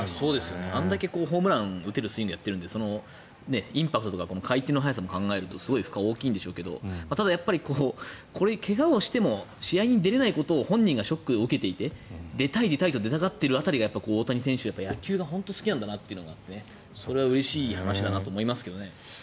あれだけホームランを打てるスイングをやっているのでインパクトとか回転の速さを考えるとすごい負荷が大きいんでしょうけどただ、やっぱり怪我をしても試合に出れないことを本人がショックを受けていて出たいと出たがっている辺りが大谷選手は野球が本当に好きなんだなとそれはうれしい話だと思いますけど。